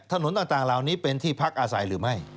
ถนนต่างเหล่านี้เป็นที่พักอาศัยหรือไม่